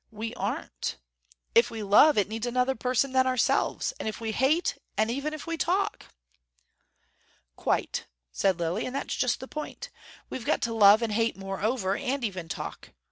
We aren't. If we love, it needs another person than ourselves. And if we hate, and even if we talk." "Quite," said Lilly. "And that's just the point. We've got to love and hate moreover and even talk.